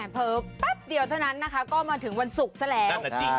เผลอแป๊บเดียวเท่านั้นนะคะก็มาถึงวันศุกร์ซะแล้ว